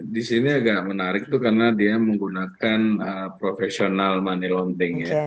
di sini agak menarik itu karena dia menggunakan profesional money laundeng ya